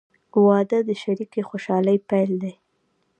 • واده د شریکې خوشحالۍ پیل دی.